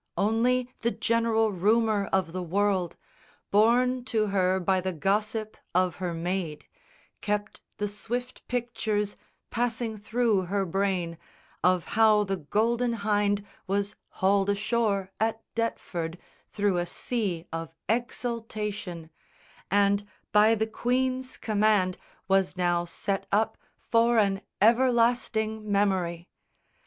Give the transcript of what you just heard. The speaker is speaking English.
Only the general rumour of the world Borne to her by the gossip of her maid Kept the swift pictures passing through her brain Of how the Golden Hynde was hauled ashore At Deptford through a sea of exultation, And by the Queen's command was now set up For an everlasting memory!